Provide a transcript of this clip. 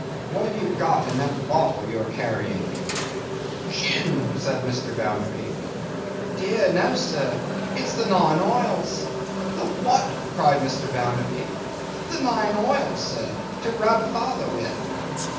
What have you got in that bottle you are carrying?' 'Gin,' said Mr. Bounderby. 'Dear, no, sir! It's the nine oils.' 'The what?' cried Mr. Bounderby. 'The nine oils, sir, to rub father with.